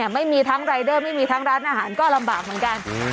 ไม่มีทั้งรายเดอร์ไม่มีทั้งร้านอาหารก็ลำบากเหมือนกัน